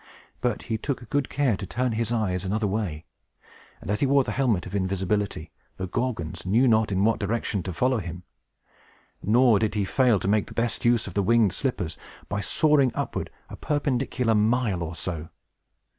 But he took good care to turn his eyes another way; and, as he wore the helmet of invisibility, the Gorgons knew not in what direction to follow him; nor did he fail to make the best use of the winged slippers, by soaring upward a perpendicular mile or so.